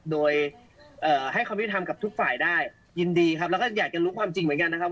โดยให้ความยุติธรรมกับทุกฝ่ายได้ยินดีครับแล้วก็อยากจะรู้ความจริงเหมือนกันนะครับ